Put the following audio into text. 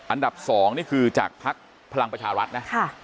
อันดับ๒นี่คือจากภักดิ์พลังประชารัฐนะ